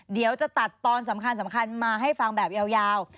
เดี๋ยวจะตัดตอนสำคัญมาให้ฟังแบบยาว